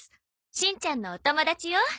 しんちゃんのお友達よ。